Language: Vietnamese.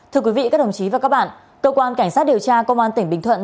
thưa quý vị các đồng chí và các bạn cơ quan cảnh sát điều tra công an tỉnh bình thuận